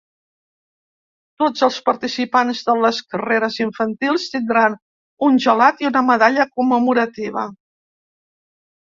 Tots els participants de les carreres infantils tindran un gelat i una medalla commemorativa.